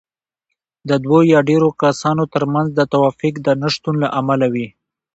د دوو يا ډېرو کسانو ترمنځ د توافق د نشتون له امله وي.